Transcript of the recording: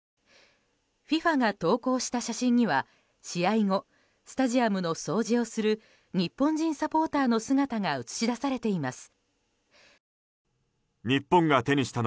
ＦＩＦＡが投稿した写真には試合後、スタジアムの掃除をする日本人サポーターの姿が映し出されています。